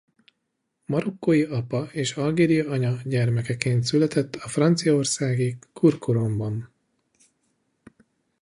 Marokkói apa és algériai anya gyermekeként született a franciaországi Courcouronnes-ban.